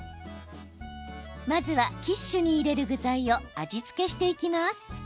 まずは、キッシュに入れる具材を味付けしていきます。